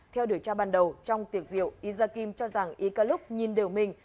theo điều tra ban đầu trong tiệc diệu isa kim cho rằng ikaluk nhìn đều mình